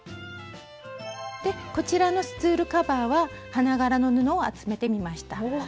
こちらのスツールカバーは花柄の布を集めてみました。